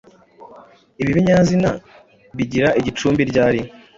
Ibi binyazina bigira igicumbi –rya.